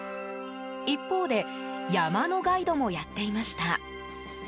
一方で山のガイドもやっていました。